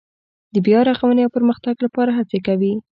د بیا رغاونې او پرمختګ لپاره هڅې کوي.